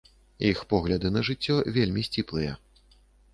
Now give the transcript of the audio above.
Іх погляды на жыццё вельмі сціплыя.